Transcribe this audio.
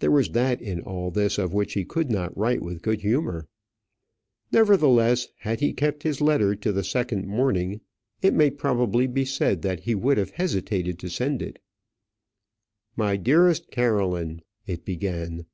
There was that in all this of which he could not write with good humour. Nevertheless, had he kept his letter to the second morning, it may probably be said that he would have hesitated to send it. "My dearest Caroline," it began.